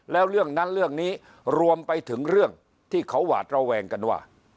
แล้วเรื่องนั้นเรื่องนี้รวมไปถึงเรื่องที่เขาหวาดระแวงกันว่า